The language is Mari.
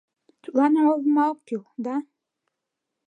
Тудлан олма ок кӱл, да?